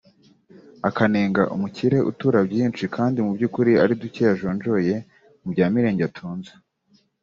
akanenga umukire utura byinshi kandi mu by’ukuri ari duke yajogoye muri bya Mirenge atunze